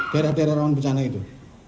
daerah daerah rawan bencana itu